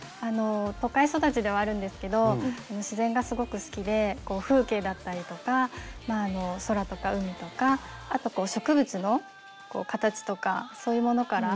都会育ちではあるんですけど自然がすごく好きで風景だったりとか空とか海とかあと植物の形とかそういうものから。